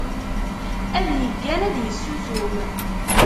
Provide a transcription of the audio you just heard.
Ad yeggan ad yessusum.